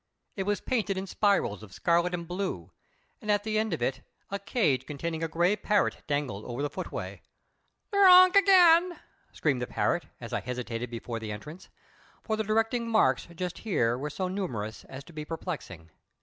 It was painted in spirals of scarlet and blue, and at the end of it a cage containing a grey parrot dangled over the footway. "Drunk again!" screamed the parrot, as I hesitated before the entrance, for the directing marks just here were so numerous as to be perplexing.